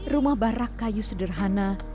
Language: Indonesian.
rumah barak kayu sederhana